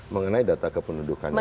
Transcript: mengenai data kependudukan